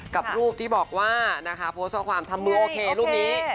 กับรูปที่บอกว่านะคะโพสต์ข้อความทำมือโอเครูปนี้